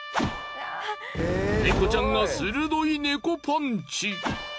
猫ちゃんが鋭い猫パンチ。